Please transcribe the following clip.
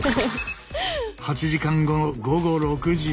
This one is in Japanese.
８時間後の午後６時。